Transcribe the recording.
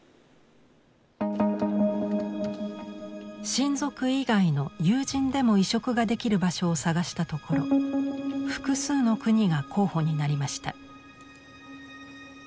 親族以外の友人でも移植ができる場所を探したところ複数の国が候補になりました。